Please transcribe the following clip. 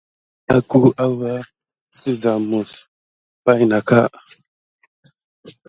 Wazldé naku azanke aoura siva muzutada de pay ka.